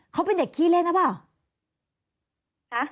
เขาเป็นเด็กขี้เล่นหรือเปล่า